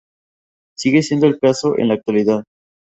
Sigue siendo el caso en la actualidad.